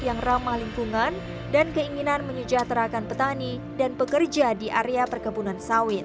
yang ramah lingkungan dan keinginan menyejahterakan petani dan pekerja di area perkebunan sawit